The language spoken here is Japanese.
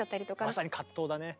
まさに藤だね。